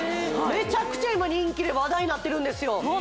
めちゃくちゃ今人気で話題になってるんですよ